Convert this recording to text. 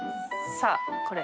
さぁこれ。